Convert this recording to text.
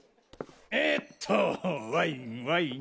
えっとワインワイン。